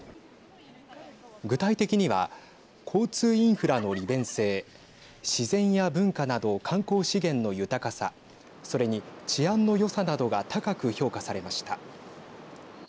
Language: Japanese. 具体的には交通インフラの利便性自然や文化など観光資源の豊かさそれに治安のよさなどが高く評価されました。